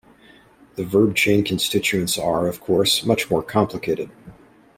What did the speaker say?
The verb chain constituents are, of course, much more complicated.